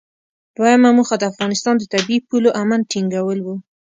دویمه موخه د افغانستان د طبیعي پولو امن ټینګول و.